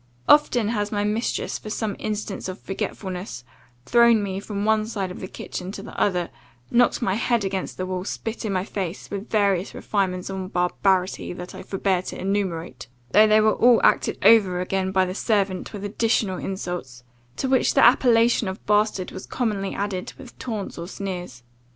Often has my mistress, for some instance of forgetfulness, thrown me from one side of the kitchen to the other, knocked my head against the wall, spit in my face, with various refinements on barbarity that I forbear to enumerate, though they were all acted over again by the servant, with additional insults, to which the appellation of bastard, was commonly added, with taunts or sneers.